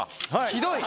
ひどい。